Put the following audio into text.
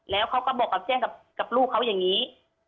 แล้วเขาก็บอกกับแจ้งกับลูกเขาอย่างนี้